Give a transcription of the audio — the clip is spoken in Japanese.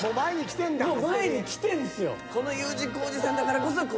前に来てんすよ。